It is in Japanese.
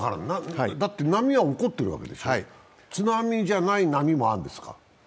だって波は起こってるわけでしょ、津波じゃない波もあるんですか？